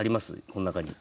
この中に。